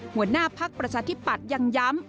หัวหน้าพักประชาธิปัตย์ยังย้ำ